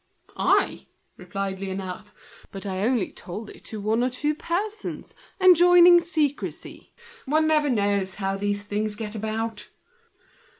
"I?" replied Liénard; "but I only told it to one or two persons, enjoining secrecy. One never knows how these things get about!"